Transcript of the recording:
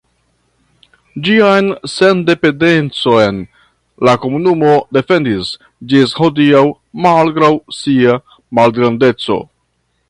Ĝian sendependecon la komunumo defendis ĝis hodiaŭ malgraŭ sia malgrandeco.